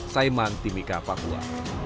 saiman timika papua